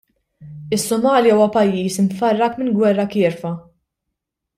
Is-Somalia huwa pajjiż imfarrak minn gwerra kiefra.